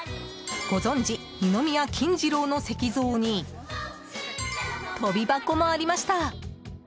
ご存じ、二宮金次郎の石像に跳び箱もありました。